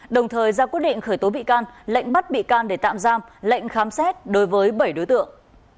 đồng thời ra quyết định khởi tố bị can lệnh bắt bị can để tạm giam lệnh khám xét đối với bảy đối tượng